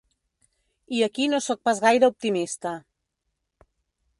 I aquí no sóc pas gaire optimista.